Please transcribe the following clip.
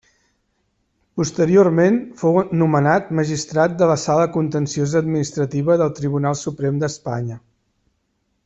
Posteriorment fou nomenat magistrat de la Sala Contenciosa-Administrativa del Tribunal Suprem d'Espanya.